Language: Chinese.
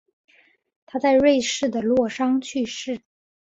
他在瑞士的洛桑去世。